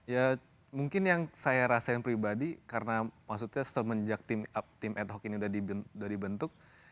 ya mungkin yang saya rasain pribadi karena maksudnya semenjak tim ad hoc ini sudah dibentuk